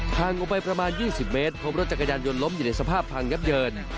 ทางออกไปประมาณ๒๐เมตรพบรถจักรยานยนต์ล้มอยู่ในสภาพพังยับเยิน